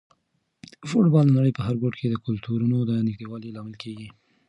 فوټبال د نړۍ په هر ګوټ کې د کلتورونو د نږدېوالي لامل کیږي.